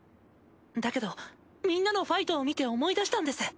だけどみんなのファイトを見て思い出したんです。